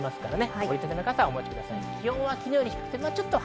折り畳みの傘をお持ちください。